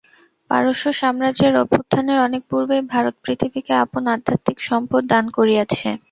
পারস্য-সাম্রাজ্যের অভ্যুত্থানের অনেক পূর্বেই ভারত পৃথিবীকে আপন আধ্যাত্মিক সম্পদ দান করিয়াছে।